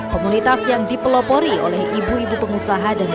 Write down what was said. komunitas yang dipelopori oleh ibu ibu pengusaha dan